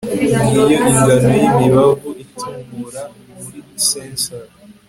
Ngiyo ingano yimibavu itumura muri censer